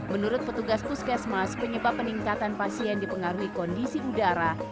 menurut petugas puskesmas penyebab peningkatan pasien dipengaruhi kondisi udara